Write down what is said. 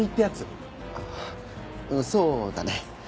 ああそうだね。